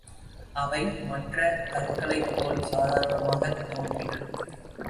அவை, மற்ற கற்களைப்போல் சாதாரணமாகத் தோன்றின.